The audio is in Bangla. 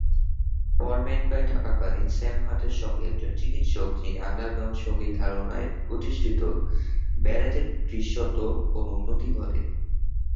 ফোরমেন্টেরায় থাকাকালীন, স্যাম হাটের সঙ্গে, একজন চিকিৎসক যিনি আন্ডারগ্রাউন্ড সঙ্গীত ধারণায় প্রতিষ্ঠিত, ব্যারেটের দৃশ্যত কোনো উন্নতি ঘটে নি।